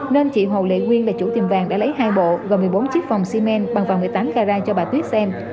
nên chị hồ lệ nguyên là chủ tiệm vàng đã lấy hai bộ và một mươi bốn chiếc vòng ximên bằng vàng một mươi tám carat cho bà tuyết xem